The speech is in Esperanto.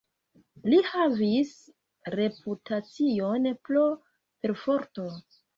Li havis reputacion pro perforto.